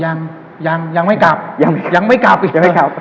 ยังงงยังไม่กลับยังไม่กลับอีกเลย